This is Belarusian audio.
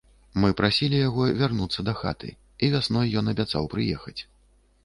Мы прасілі яго вярнуцца дахаты, і вясной ён абяцаў прыехаць.